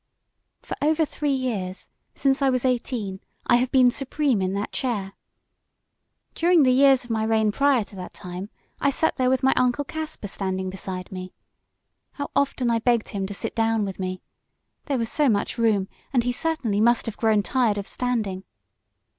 "For over three years since I was eighteen I have been supreme in that chair. During the years of my reign prior to that time I sat there with my Uncle Caspar standing beside me. How often I begged him to sit down with me! There was so much room and he certainly must have grown tired of standing.